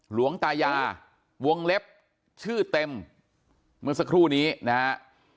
หลวงตายาวงเล็บชื่อเต็มเมื่อสักครู่นี้นะฮะ